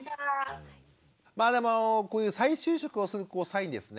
まあでもこういう再就職をする際にですね